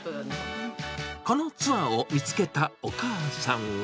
このツアーを見つけたお母さんは。